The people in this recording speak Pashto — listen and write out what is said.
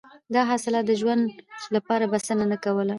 دا حاصلات د ژوند لپاره بسنه نه کوله.